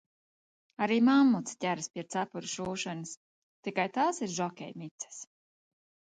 Arī mammuce ķeras pie cepuru šūšanas, tikai tās ir žokej mices.